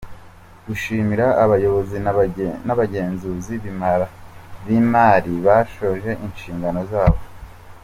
Gushimira abayobozi n’abagenzuzi bimari bashoje inshingano zabo.